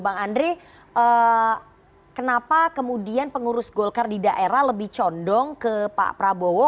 bang andre kenapa kemudian pengurus golkar di daerah lebih condong ke pak prabowo